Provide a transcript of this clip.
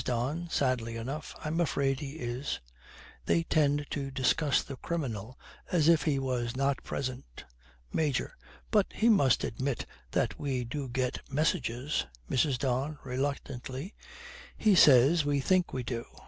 DON, sadly enough, 'I am afraid he is.' They tend to discuss the criminal as if he was not present. MAJOR. 'But he must admit that we do get messages.' MRS. DON, reluctantly, 'He says we think we do.